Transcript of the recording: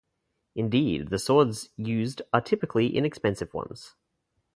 Indeed, the swords used are typically inexpensive ones.